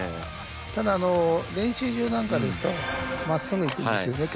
ただ練習場なんかですとまっすぐいくんですよね結構。